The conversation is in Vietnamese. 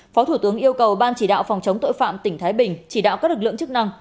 phó thủ tướng yêu cầu ban chỉ đạo phòng chống tội phạm tỉnh thái bình chỉ đạo các lực lượng chức năng